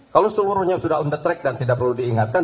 kalau seluruhnya sudah on the track dan tidak perlu diingatkan